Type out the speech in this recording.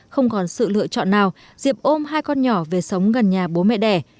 không còn sự lựa chọn nào diệp ôm hai con nhỏ về sống gần nhà bố mẹ đẻ